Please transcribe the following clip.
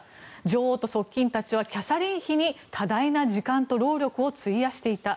女王と側近たちはキャサリン妃に多大な時間と労力を費やしていた。